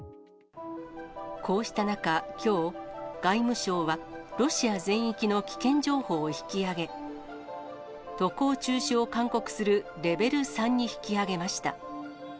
こうした中、きょう、外務省は、ロシア全域の危険情報を引き上げ、渡航中止を勧告するレベル３に引き上げました。